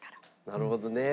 なるほどね。